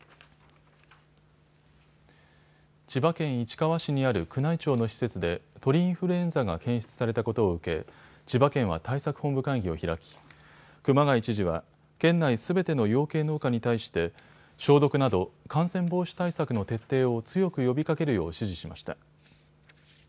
千葉県市川市にある宮内庁の施設で鳥インフルエンザが検出されたことを受け、千葉県は対策本部会議を開き、熊谷知事は県内すべての養鶏農家に対して消毒など感染防止対策の徹底を強く呼びかけるよう指示しました。